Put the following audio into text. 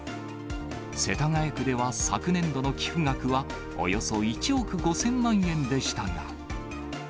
世田谷区では昨年度の寄付額は、およそ１億５０００万円でしたが。